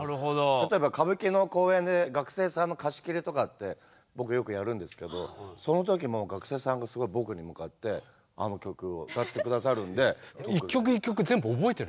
例えば歌舞伎の公演で学生さんの貸し切りとかって僕よくやるんですけどその時も学生さんがすごい僕に向かってあの曲を歌って下さるんで。